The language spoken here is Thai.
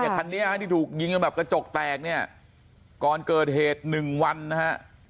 คันนี้ที่ถูกยิงกันแบบกระจกแตกเนี่ยก่อนเกิดเหตุ๑วันนะฮะ